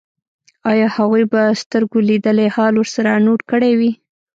ایا هغوی به سترګو لیدلی حال ورسره نوټ کړی وي